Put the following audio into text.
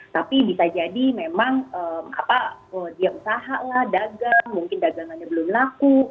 tapi bisa jadi memang dia usaha lah dagang mungkin dagangannya belum laku